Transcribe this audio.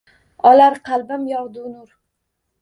Olar qalbim yog‘du-nur